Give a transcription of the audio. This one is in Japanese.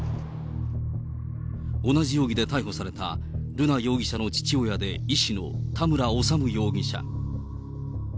同じ容疑で逮捕された、瑠奈容疑者の父親で医師の田村修容疑者。